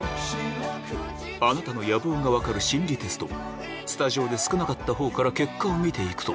あなたの野望が分かる心理テストスタジオで少なかったほうから結果を見て行くと